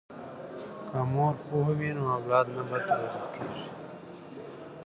که مور پوهه وي نو اولاد نه بد روزل کیږي.